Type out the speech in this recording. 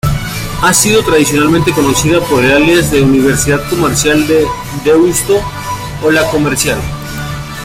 Ha sido tradicionalmente conocida por el alias "Universidad Comercial de Deusto" o "La Comercial".